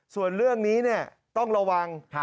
ส่วนเรื่องนี้ต้องระวัง